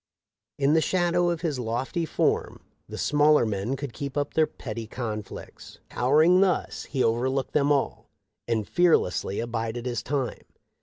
In the shadow of his lofty form the smaller men could keep up their petty conflicts. Towering thus, he overlooked them all, and fearlessly abided his time.